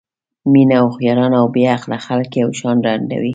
مینه هوښیاران او بې عقله خلک یو شان ړندوي.